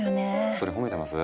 それ褒めてます？